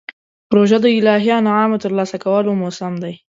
روژه د الهي انعامونو ترلاسه کولو موسم دی.